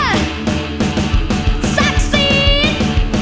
เออซักซีน